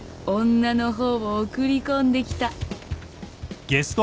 女のほうを送り込んできた」